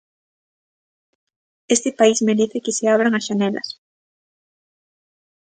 Este país merece que se abran as xanelas.